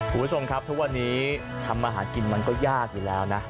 คุณผู้ชมครับทุกวันนี้ทำมาหากินมันก็ยากอยู่แล้วนะ